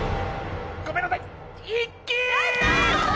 ごめんなさい